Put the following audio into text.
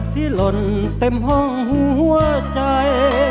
หล่นเต็มห้องหัวใจ